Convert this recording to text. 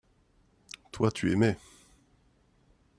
toi, tu aimais.